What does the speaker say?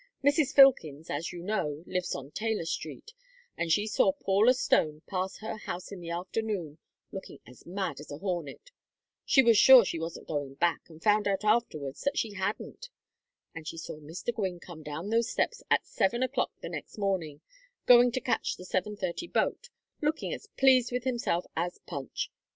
Mrs. Filkins, as you know, lives on Taylor Street, and she saw Paula Stone pass her house in the afternoon looking as mad as a hornet she was sure she wasn't going back, and found out afterwards that she hadn't; and she saw Mr. Gwynne come down those steps at seven o'clock the next morning going to catch the seven thirty boat looking as pleased with himself as Punch.